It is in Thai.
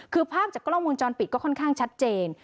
คือภาพจากกล้องวงจรปิดก็ค่อนข้างชัดเจน